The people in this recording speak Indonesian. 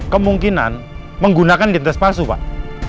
kemungkinan menggunakan dintes palsu pak